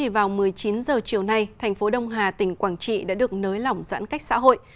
vào một mươi chín h chiều nay thành phố đông hà tỉnh quảng trị đã được nới lỏng giãn cách xã hội